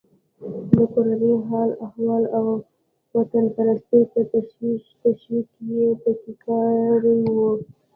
د کورني حال و احوال او وطنپرستۍ ته تشویق یې پکې کړی و.